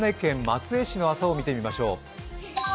まずは島根県松江市の朝を見てみましょう。